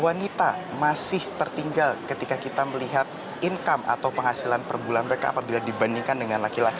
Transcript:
wanita masih tertinggal ketika kita melihat income atau penghasilan per bulan mereka apabila dibandingkan dengan laki laki